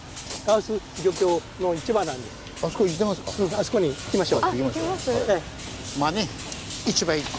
あそこに行きましょう。